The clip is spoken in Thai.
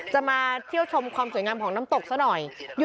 มาเที่ยวชมความสวยงามของน้ำตกซะหน่อย